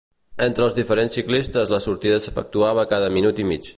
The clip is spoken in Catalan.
Entre els diferents ciclistes la sortida s'efectuava cada minut i mig.